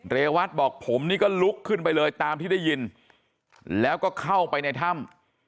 เรวัตบอกผมนี่ก็ลุกขึ้นไปเลยตามที่ได้ยินแล้วก็เข้าไปในถ้ำ